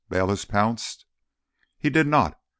Bayliss pounced. "He did not!